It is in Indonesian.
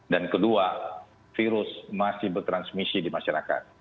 dan kedua virus masih bertransmisi di masyarakat